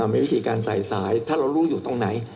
มีวิธีการใส่สายถ้าเรารู้อยู่ตรงไหน